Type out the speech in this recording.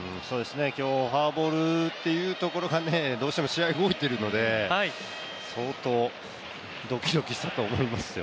フォアボールというところからどうしても試合が動いているので相当ドキドキしたと思いますよ。